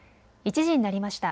１時になりました。